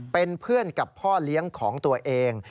เป็นเพื่อนกับพ่อเลี้ยงของตัวเอง